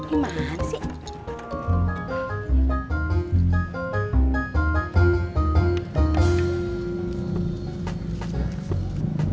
ini mana sih